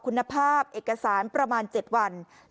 คุณภาพเอกสารประมาณ๗วันเหมือนกับอันดับด็นตัว